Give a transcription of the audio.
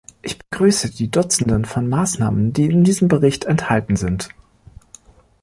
Ich begrüße die Dutzenden von Maßnahmen, die in diesem Bericht enthalten sind.